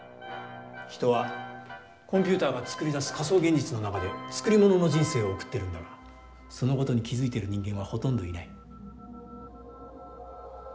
人はコンピューターが作り出す仮想現実の中で作りものの人生を送っているんだがそのことに気付いている人間はほとんどいない。